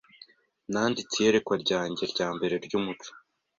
Nanditse Iyerekwa ryanjye ryambere ryumucyo